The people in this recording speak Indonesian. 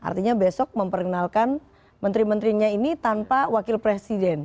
artinya besok memperkenalkan menteri menterinya ini tanpa wakil presiden